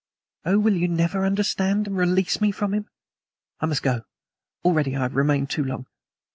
"Oh, will you never understand and release me from him! I must go. Already I have remained too long.